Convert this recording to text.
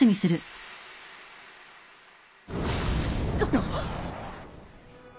あっ。